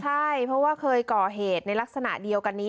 ใช่เพราะว่าเคยก่อเหตุในลักษณะเดียวกันนี้